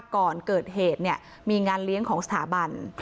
ก่อนเกิดเหตุมีงานเลี้ยงของสถาบัน